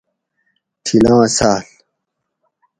تھِلاں ساۤل